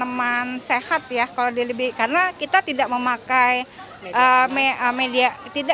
tanaman sehat ya kalau dia lebih karena kita tidak memakai media